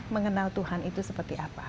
mengenal tuhan itu seperti apa